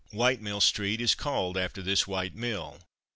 Whitemill street is called after this White Mill.